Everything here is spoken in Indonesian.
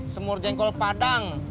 semur jengkol padang